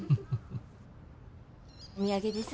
お土産です。